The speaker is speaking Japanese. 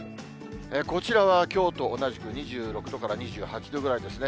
こちらはきょうと同じく２６度から２８度ぐらいですね。